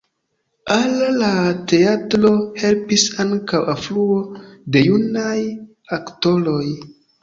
Al la teatro helpis ankaŭ alfluo de junaj aktoroj.